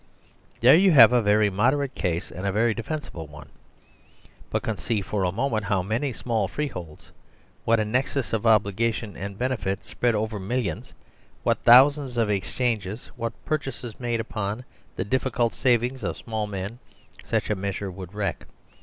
There you have a very moder ate case and a very defensible one. But conceive for a moment how many small freeholds, what a nexus of obligation and benefit spread over millions, what thousands of exchanges, what purchases made upon the difficult savings of small men such a measure would wreck